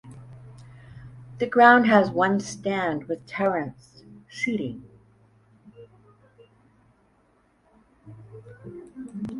The ground has one stand with terraced seating.